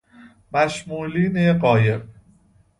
مشمولین غایب